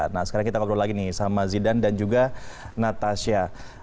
nah sekarang kita ngobrol lagi nih sama zidan dan juga natasha